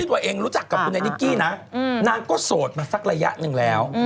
ตัวเองรู้จักกับคุณไอ้นิกกี้นะนางก็โสดมาสักระยะหนึ่งแล้ว